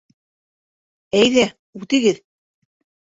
Әйҙә, үтегеҙ!